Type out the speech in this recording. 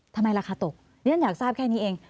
ทำไมราคาตกนี่ฉันอยากทราบแค่นี้เอง